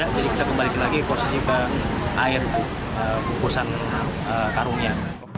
jadi kita kembalikan lagi posisi ke air pukusan karungnya